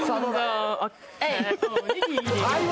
はい。